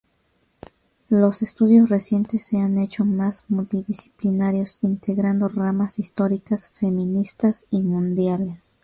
Los estudios recientes se han hecho más multidisciplinarios, integrando ramas históricas feministas y mundiales.